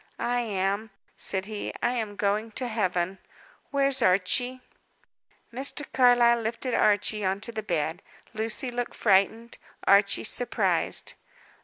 "I am," said he. "I am going to Heaven. Where's Archie?" Mr. Carlyle lifted Archie on to the bed. Lucy looked frightened, Archie surprised.